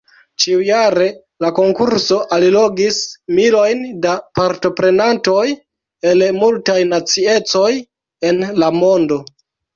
Ĉiujare la konkurso allogis milojn da partoprenantoj el multaj naciecoj en la mondo.